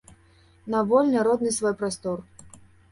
На вольны родны свой прастор.